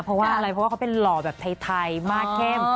เพราะว่าเขาเป็นหล่อแบบไทยมากเข้ม